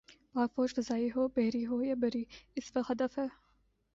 پاک فوج فضائی ہو، بحری ہو یا بری، اس وقت ہدف ہے۔